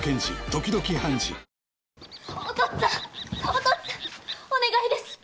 お父っつぁんお願いです！